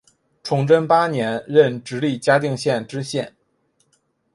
崇祯八年任直隶嘉定县知县。